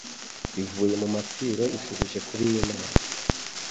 Ivuye mu mapfiro, Ishubije kuba iy' Imana,